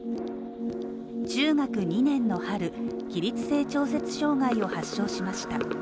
中学２年の春、起立性調節障害を発症しました。